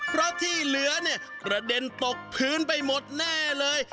เพราะที่เหลือเนี่ยกระเด็นตกพื้นไปหมดแน่เลย